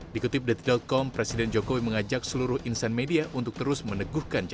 dikutip detik com presiden jokowi mengajak seluruh insan media untuk terus meneguhkan jalan